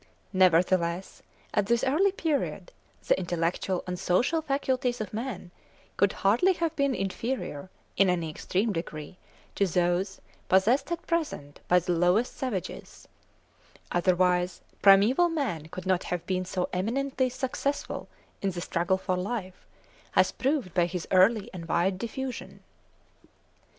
Nevertheless, at this early period, the intellectual and social faculties of man could hardly have been inferior in any extreme degree to those possessed at present by the lowest savages; otherwise primeval man could not have been so eminently successful in the struggle for life, as proved by his early and wide diffusion.